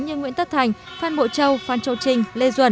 như nguyễn tất thành phan bộ châu phan châu trinh lê duẩn